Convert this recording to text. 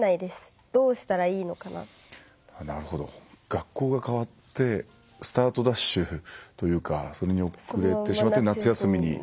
学校が変わってスタートダッシュというかそれに遅れてしまって夏休みに。